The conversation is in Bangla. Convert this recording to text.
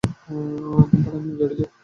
ঘুমপাড়ানির বাড়ি যাও!